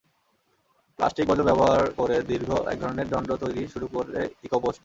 Plastic বর্জ্য ব্যবহার করে দীর্ঘ একধরনের দণ্ড তৈরি শুরু করে ইকোপোস্ট।